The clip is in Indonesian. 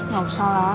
gak usah lah